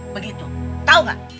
begitu tau gak